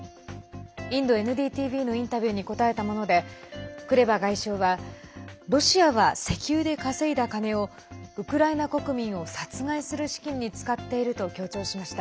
インドＮＤＴＶのインタビューに答えたものでクレバ外相はロシアは石油で稼いだ金をウクライナ国民を殺害する資金に使っていると強調しました。